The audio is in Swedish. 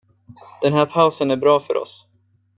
Den här pausen är bra för oss.